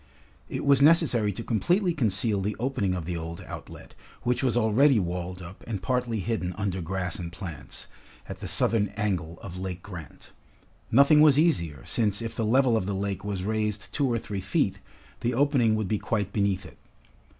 It was necessary to completely conceal the opening of the old outlet, which was already walled up and partly hidden under grass and plants, at the southern angle of Lake Grant. Nothing was easier, since if the level of the lake was raised two or three feet, the opening would be quite beneath it.